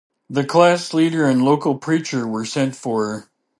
The class-leader and local preacher were sent for.